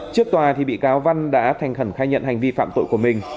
trước tòa thì bị cáo văn đã thành khẩn khai nhận hành vi phạm tội của mình